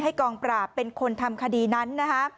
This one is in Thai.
ให้กองปราบเป็นคนทำคดีนั้น